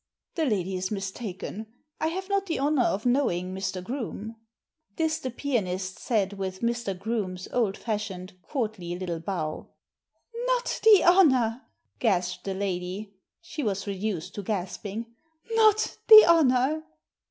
" The lady is mistaken. I have not the honour of knowing Mr. Groome." This the pianist said with Mr. Groome's old fashioned, courtly little bow. "Not the honour!" gasped the lady. She was reduced to gasping. "Not the honour!"